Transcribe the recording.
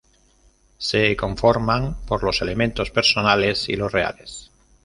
Se conforman por los elementos personales y los reales.